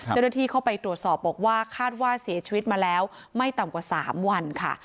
เจ้าหน้าที่เข้าไปตรวจสอบบอกว่าคาดว่าเสียชีวิตมาแล้วไม่ต่ำกว่า๓วันค่ะ